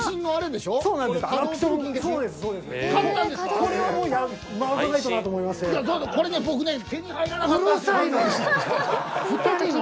これはもう回さないとなと思いまして。